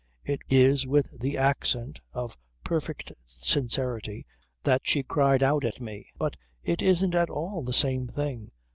It is with the accent of perfect sincerity that she cried out at me: "But it isn't at all the same thing!